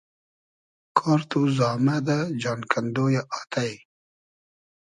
کار تو زامئدۂ ، جان کئندۉ یۂ آتݷ